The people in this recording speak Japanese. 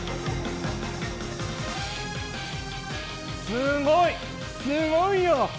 すごい、すごいよ。